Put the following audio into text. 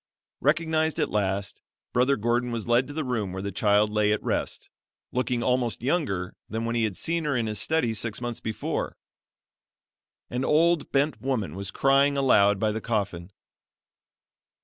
Recognized at last, Brother Gordon was led to the room where the child lay at rest, looking almost younger than when he had seen her in his study six months before. An old bent woman was crying aloud by the coffin.